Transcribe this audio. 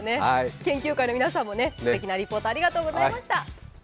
研究会の皆さんもすてきなリポートありがとうございました。